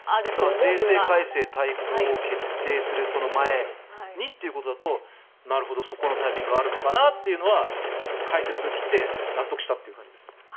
税制改正大綱を決定するその前にということだとなるほど、そこのタイミングがあるのかなとは解説を聞いていて納得したという感じです。